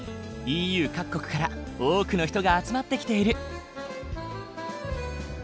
ＥＵ各国から多くの人が集まってきている。